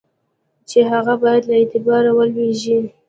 چي هغه باید له اعتباره ولوېږي.